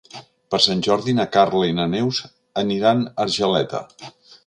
Per Sant Jordi na Carla i na Neus aniran a Argeleta.